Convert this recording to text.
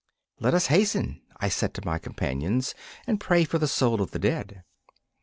'Let us hasten,' I said to my companions, 'and pray for the soul of the dead.